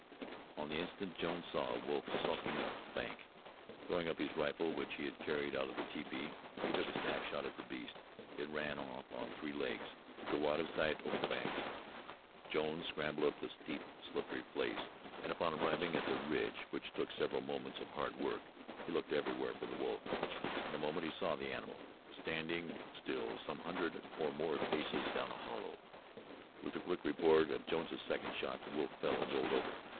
On the instant Jones saw a wolf skulking up the bank. Throwing up his rifle, which he had carried out of the tepee, he took a snap shot at the beast. It ran off on three legs, to go out of sight over the hank. Jones scrambled up the steep, slippery place, and upon arriving at the ridge, which took several moments of hard work, he looked everywhere for the wolf. In a moment he saw the animal, standing still some hundred or more paces down a hollow. With the quick report of Jones's second shot, the wolf fell and rolled over.